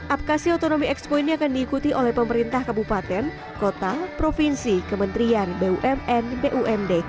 apkasi otonomi expo ini akan diikuti oleh pemerintah kabupaten kota provinsi kementerian bumn bumd